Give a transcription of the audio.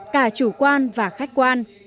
cả chủ quan và khách quan